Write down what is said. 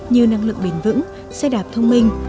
như năng lượng bền vững xe đạp thông minh